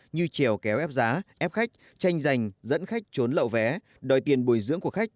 như trèo kéo ép giá ép khách tranh giành dẫn khách trốn lậu vé đòi tiền bồi dưỡng của khách